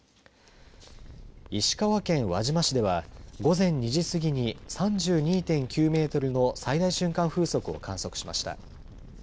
石川県輪島市では午前２時過ぎに３２．９メートルの最大瞬間風速を観測しました。